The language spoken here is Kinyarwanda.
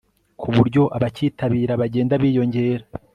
ku buryo abacyitabira bagenda biyongera